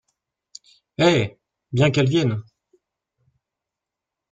Eh ! bien, qu’elle vienne !…